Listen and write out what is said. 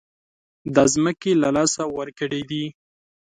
دا ځمکې له لاسه ورکړې دي.